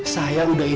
saya udah ingat